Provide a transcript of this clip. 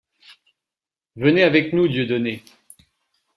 Venez avec nous Dieudonné!